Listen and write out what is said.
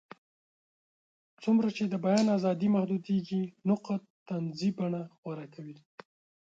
څومره چې د بیان ازادي محدودېږي، نقد طنزي بڼه غوره کوي.